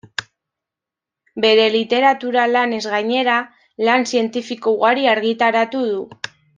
Bere literatura-lanez gainera, lan zientifiko ugari argitaratu du.